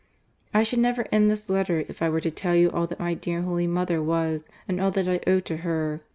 I should never end this letter if I were to tell you all that my dear, holy mother was, and all that I owe to her.